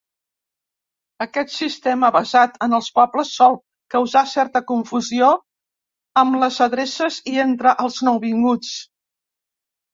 Aquest sistema basat en els pobles sol causar certa confusió amb les adreces i entre els nouvinguts.